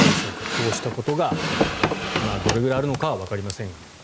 こうしたことがどれくらいあるのかはわかりませんが。